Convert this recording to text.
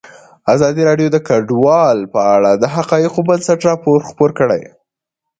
ازادي راډیو د کډوال په اړه د حقایقو پر بنسټ راپور خپور کړی.